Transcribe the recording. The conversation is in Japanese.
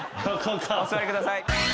お座りください。